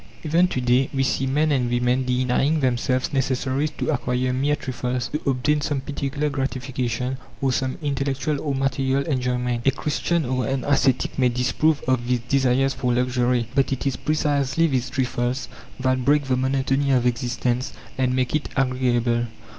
Even to day we see men and women denying themselves necessaries to acquire mere trifles, to obtain some particular gratification, or some intellectual or material enjoyment. A Christian or an ascetic may disapprove of these desires for luxury; but it is precisely these trifles that break the monotony of existence and make it agreeable.